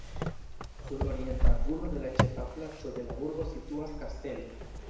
Sur orienta angulo de la ĉefa placo de la urbo situas kastelo.